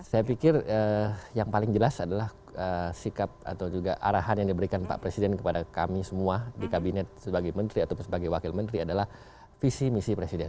saya pikir yang paling jelas adalah sikap atau juga arahan yang diberikan pak presiden kepada kami semua di kabinet sebagai menteri ataupun sebagai wakil menteri adalah visi misi presiden